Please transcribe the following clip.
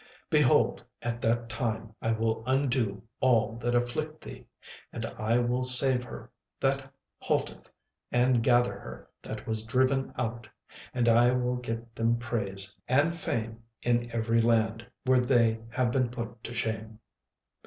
36:003:019 Behold, at that time I will undo all that afflict thee: and I will save her that halteth, and gather her that was driven out; and I will get them praise and fame in every land where they have been put to shame.